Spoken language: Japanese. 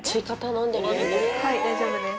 はい大丈夫です。